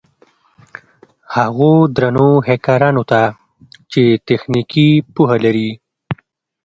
هغو درنو هېکرانو ته چې تخنيکي پوهه لري.